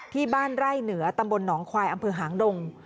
ที่บ้านไร่เหนือตำบลหนองควายอำเภอหางดง